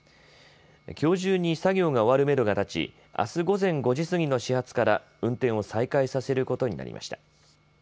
きょう中に作業が終わるめどが立ち、あす午前５時過ぎの始発から運転を再開させることになりました。